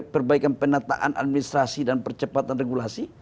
perbaikan penataan administrasi dan percepatan regulasi